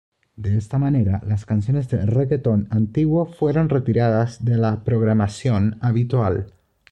De esta manera, las canciones de reggaeton antiguo fueron retiradas de la programación habitual.